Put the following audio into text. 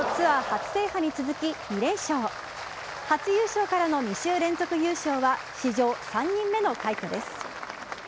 初優勝からの２週連続優勝は史上３人目の快挙です。